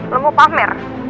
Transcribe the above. lo mau pamer